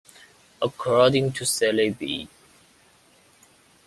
According to Sallie B.